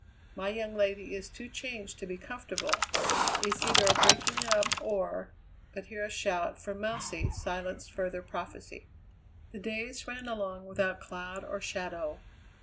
My young lady is too changed to be comfortable. It's either a breaking up, or " But here a shout for "Mousey," silenced further prophecy. The days ran along without cloud or shadow.